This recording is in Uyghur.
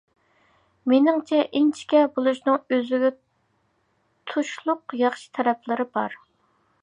مېنىڭچە، ئىنچىكە بولۇشنىڭ ئۆزىگە تۇشلۇق ياخشى تەرەپلىرى بار.